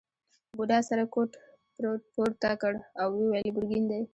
بوډا سره کوټ پورته کړ او وویل ګرګین دی.